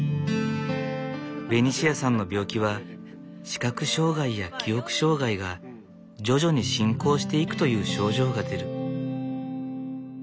ベニシアさんの病気は視覚障害や記憶障害が徐々に進行していくという症状が出る。